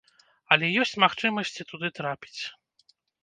Але ёсць магчымасці туды трапіць.